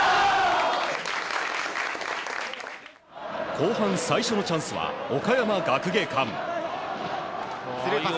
後半最初のチャンスは岡山学芸館。